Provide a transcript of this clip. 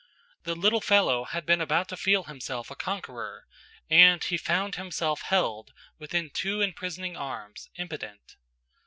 The little fellow had been about to feel himself a conqueror, and he found himself held within two imprisoning arms, impotent.